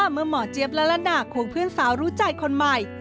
เมื่อหมอเจี๊ยบและละนาควงเพื่อนสาวรู้ใจคนใหม่